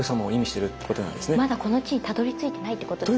まだこの地にたどりついてないってことですか？